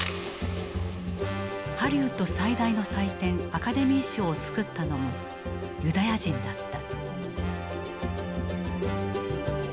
ハリウッド最大の祭典アカデミー賞を作ったのもユダヤ人だった。